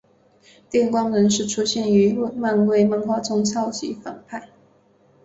电光人是出现于漫威漫画中超级反派。